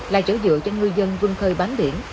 là chỗ dựa cho người dân vương khơi bán biển